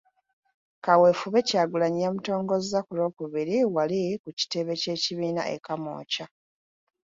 Kaweefube Kyagulanyi yamutongozza ku Lwokubiri wali ku kitebe ky’ekibiina e Kamwokya.